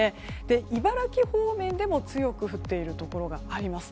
茨城方面でも強く降っているところがあります。